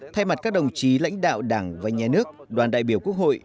thay mặt các đồng chí lãnh đạo đảng và nhà nước đoàn đại biểu quốc hội